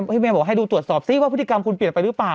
แม่บอกให้ดูตรวจสอบซิว่าพฤติกรรมคุณเปลี่ยนไปหรือเปล่า